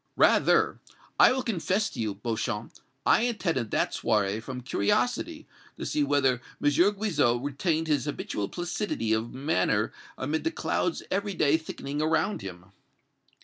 "Rather. I will confess to you, Beauchamp, I attended that soirée from curiosity to see whether M. Guizot retained his habitual placidity of manner amid the clouds every day thickening around him."